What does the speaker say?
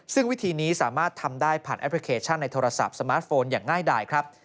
ซึ่งวิธีนี้สามารถทำได้ผ่านแอปพลิเคชันในโทรศัพท์สมาร์ทโฟนอย่างง่ายดายครับ